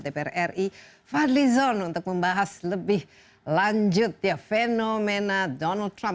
dpr ri fadli zon untuk membahas lebih lanjut ya fenomena donald trump